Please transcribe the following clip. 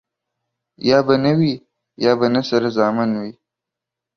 يا به نه وي ،يا به نه سره زامن وي.